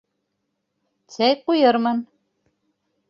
Сәй ҡуйырмын.